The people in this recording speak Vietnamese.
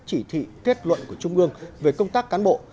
chỉ thị kết luận của trung ương về công tác cán bộ